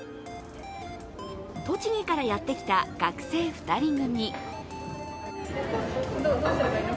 栃木からやってきた学生２人組。